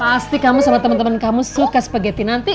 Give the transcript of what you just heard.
pasti kamu sama temen temen kamu suka spaghetti nanti